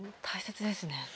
大切ですね。